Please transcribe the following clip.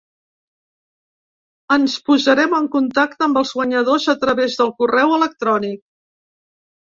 Ens posarem en contacte amb els guanyadors a través del correu electrònic.